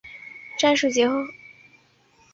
战事结束后返台。